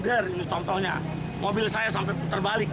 ger ini contohnya mobil saya sampai putar balik